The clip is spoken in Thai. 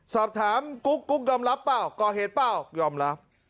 สอบถามกุ๊กกุ๊กยอมรับเปล่าก่อเหตุเปล่ายอมรับ